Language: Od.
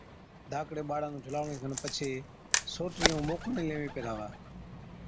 ڌاڪڙي ٻاڙا نُون جھُلاوَڻي کن پڇي سوٽرِي ائُون موڪڙين ليوين پيهراوا۔